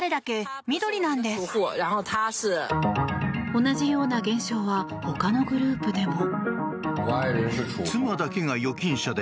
同じような現象はほかのグループでも。